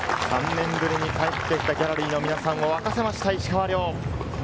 ３年ぶりに帰ってきたギャラリーの皆さんを沸かせました、石川遼。